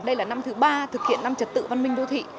đây là năm thứ ba thực hiện năm trật tự văn minh đô thị